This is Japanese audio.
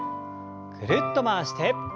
ぐるっと回して。